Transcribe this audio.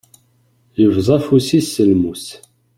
Yebḍa afus-is s lmus.